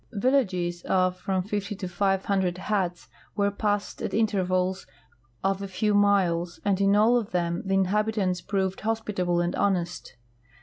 Villages of from 50 to 500 huts were passed at intervals of a few miles, and in all of them the inhabitants proved hospitable and hdnest.